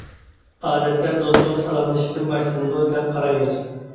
ئادەتتە، دوستلۇق سالاملىشىشتىن باشلىنىدۇ، دەپ قارايمىز.